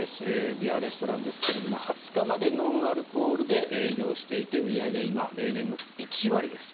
ビアレストランですが２０日までノンアルコールで営業していて売り上げは今、例年の１割です。